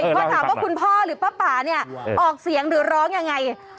พอถามว่าคุณพ่อหรือปะป๋านี่ออกเสียงร้องยังไง